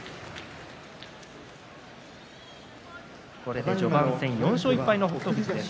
これで序盤戦、４勝１敗の北勝富士です。